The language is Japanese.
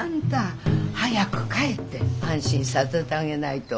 早く帰って安心させてあげないと。